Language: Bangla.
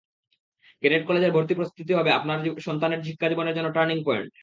ক্যাডেট কলেজের ভর্তি প্রস্তুতি হবে আপনার সন্তানের শিক্ষাজীবনের জন্য টার্নিং পয়েন্ট।